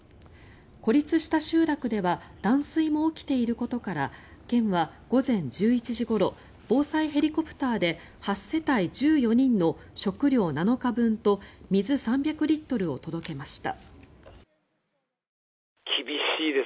孤立した集落では断水も起きていることから県は午前１１時ごろ防災ヘリコプターで８世帯１４人の食料７日分と水３００リットルを届けました。